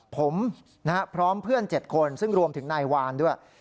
ผมพร้อมเพื่อน๗คนซึ่งรวมถึงนายวานด้วย